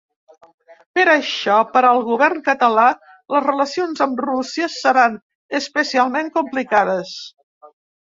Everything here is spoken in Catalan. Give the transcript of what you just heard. Per això per al govern català les relacions amb Rússia seran especialment complicades.